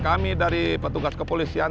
kami dari petugas kepolisian